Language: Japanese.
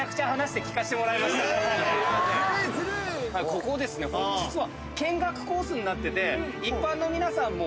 ここですね実は。